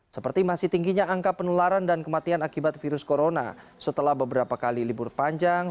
seperti masih tingginya angka penularan dan kematian akibat virus corona setelah beberapa kali libur panjang